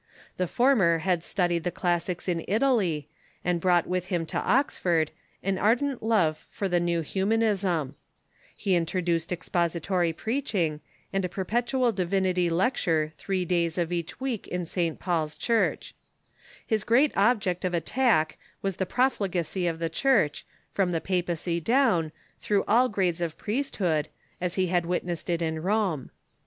The former had studied the classics in Italy, and brought with him to Oxford an ar dent love for the new Humanism, lie introduced expository preaching, and a perpetual divinity lecture three days of each week in St. Paul's Church, His great object of attack was the profligacy of the Church, from the papacy down, through all grades of priesthood, as he had witnessed it in Rome.